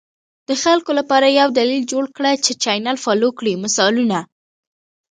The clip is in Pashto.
د خلکو لپاره یو دلیل جوړ کړه چې چینل فالو کړي، مثالونه: